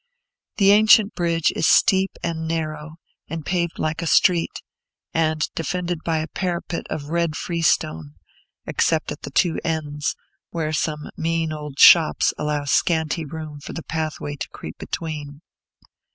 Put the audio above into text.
The ancient bridge is steep and narrow, and paved like a street, and defended by a parapet of red freestone, except at the two ends, where some mean old shops allow scanty room for the pathway to creep between.